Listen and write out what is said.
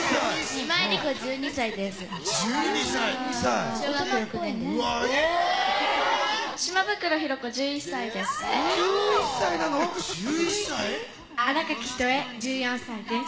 今井絵理子１２歳です。